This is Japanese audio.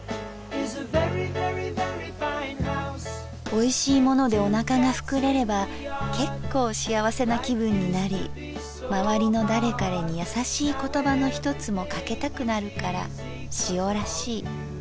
「おいしいものでおなかがふくれれば結構しあわせな気分になりまわりの誰彼にやさしい言葉の一つもかけたくなるからしおらしい」。